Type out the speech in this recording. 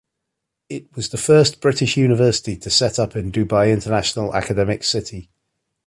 It was the first British university to set up in Dubai International Academic City.